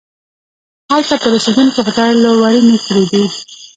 هلته پر اوسېدونکو خدای لورينې کړي دي.